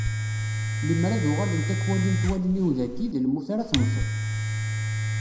Lemmer ad uɣalent ad k-walint wallen-iw dagi, d lmut ara temmteḍ.